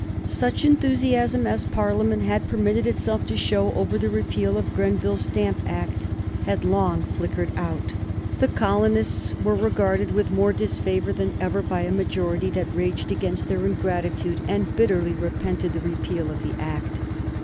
Such enthusiasm as Parliament had permitted itself to show over the repeal of Grenville's Stamp Act had long flickered out. The colonists were regarded with more disfavor than ever by a majority that raged against their ingratitude and bitterly repented the repeal of the Act.